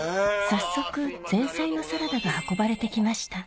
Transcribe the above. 早速前菜のサラダが運ばれて来ました